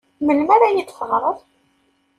Melmi ara iyi-d-teɣreḍ?